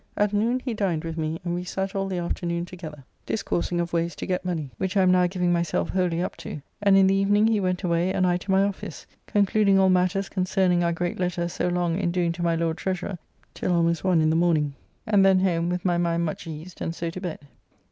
At noon he dined with me, and we sat all the afternoon together, discoursing of ways to get money, which I am now giving myself wholly up to, and in the evening he went away and I to my office, concluding all matters concerning our great letter so long in doing to my Lord Treasurer, till almost one in the morning, and then home with my mind much eased, and so to bed.